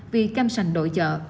vì cam sành đội chợ